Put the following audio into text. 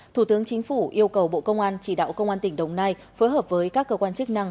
thủ tướng chính phủ yêu cầu bộ công an chỉ đạo công an tỉnh đồng nai phối hợp với các cơ quan chức năng